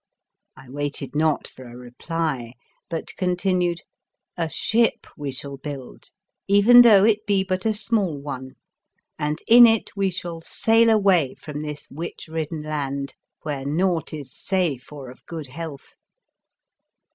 I waited not for a reply, but con tinued :" A ship we will build, even though it be but a small one, and in it we shall sail away from this witch ridden land, where naught is safe or of good health."